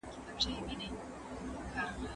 د کولرا ناروغي څنګه خپریږي؟